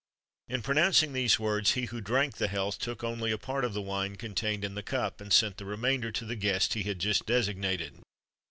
In pronouncing these words, he who drank the health took only a part of the wine contained in the cup, and sent the remainder to the guest he had just designated.